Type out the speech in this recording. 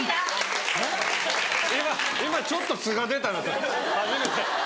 今ちょっと素が出たな初めて。